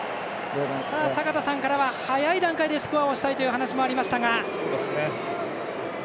坂田さんからは早い段階でスコアをしたいという話がありました。